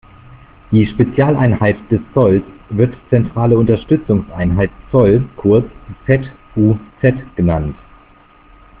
Die Spezialeinheit des Zolls wird zentrale Unterstützungseinheit Zoll, kurz Z-U-Z, genannt.